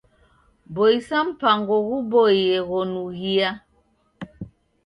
Boisa mpango ghuboie ghonughia.